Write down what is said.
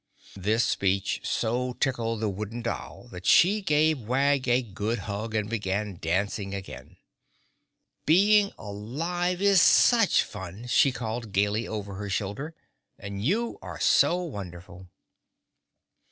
This speech so tickled the Wooden Doll that she gave Wag a good hug and began dancing again. "Being alive is such fun!" she called gaily over her shoulder, "and you are so wonderful!"